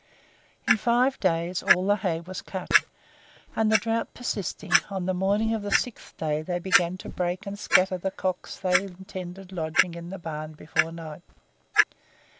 In five days all the hay was cut, and, the drought persisting, on the morning of the sixth day they began to break and scatter the cocks they intended lodging in the barn before night.